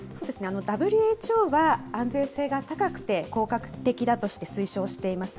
ＷＨＯは、安全性が高くて効果的だとして、推奨しています。